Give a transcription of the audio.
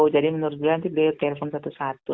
jadi menurut beliau nanti beliau telepon satu satu